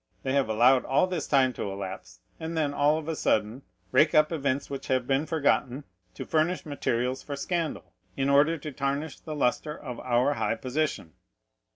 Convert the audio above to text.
They have allowed all this time to elapse, and then all of a sudden rake up events which have been forgotten to furnish materials for scandal, in order to tarnish the lustre of our high position.